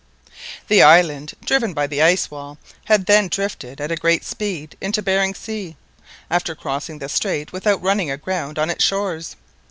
The island, driven by the ice wall, had then drifted at a great speed into Behring Sea, after crossing the strait without running aground on its shores!